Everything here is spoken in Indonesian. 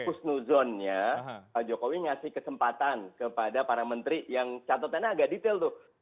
kusnuzonnya pak jokowi ngasih kesempatan kepada para menteri yang catatannya agak detail tuh